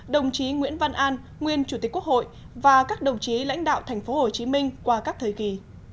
đồng chí nguyễn văn an nguyên chủ tịch quốc hội và các đồng chí lãnh đạo thành phố hồ chí minh qua các thời kỳ